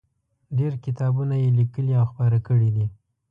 ډېر کتابونه یې لیکلي او خپاره کړي دي.